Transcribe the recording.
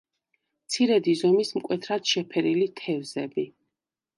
მცირედი ზომის მკვეთრად შეფერილი თევზები.